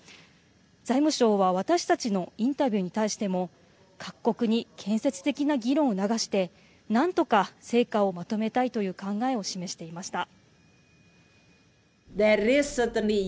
財務相は私たちのインタビューに対しても各国に建設的な議論を促してなんとか成果をまとめたいという考えを示していました。